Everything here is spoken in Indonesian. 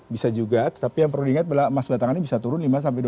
bisa juga tapi yang perlu diingat emas batangannya bisa turun lima dua puluh